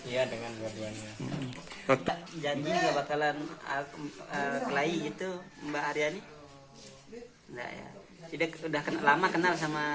ya dengan dua duanya jadinya bakalan aku kelai itu mbak haryani tidak sudah kenal lama kenal sama